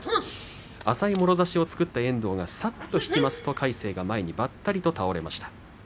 浅いもろ差しを作った遠藤がさっと引くと魁聖、前にばったりと倒れました。